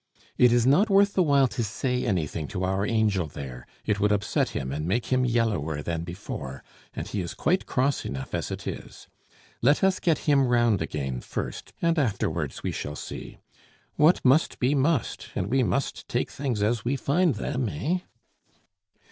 It is not worth while to say anything to our angel there; it would upset him and make him yellower than before, and he is quite cross enough as it is. Let us get him round again first, and afterwards we shall see. What must be must; and we must take things as we find them, eh?"